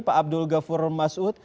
pak abdul ghafur masud